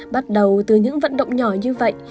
bắt đầu từ những vận động nhỏ như vậy